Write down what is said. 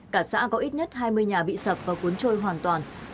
cả xã có ít nhất hai mươi nhà bị sập và cuốn trôi hoàn toàn